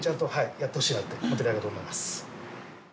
やってほしいなって思ってるだけだと思います。